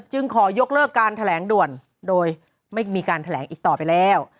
ขอยกเลิกการแถลงด่วนโดยไม่มีการแถลงอีกต่อไปแล้ว